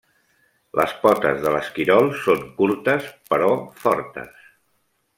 Les potes de l'esquirol són curtes però fortes.